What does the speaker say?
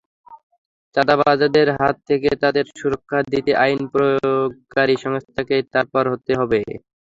চাঁদাবাজদের হাত থেকে তাঁদের সুরক্ষা দিতে আইন প্রয়োগকারী সংস্থাকেই তৎপর হতে হবে।